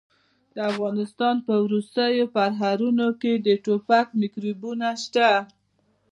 د افغانستان په ورستو پرهرونو کې د ټوپک میکروبونه شته.